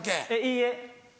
いいえ！